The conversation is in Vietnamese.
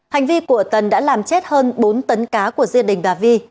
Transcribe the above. hành vi của tần đã làm chết hơn bốn tấn cá của gia đình bà vi